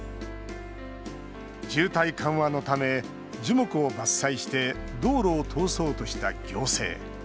渋滞緩和のため樹木を伐採して道路を通そうとした行政。